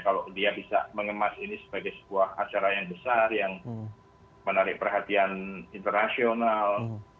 kalau dia bisa mengemas ini sebagai sebuah acara yang besar yang menarik perhatian internasional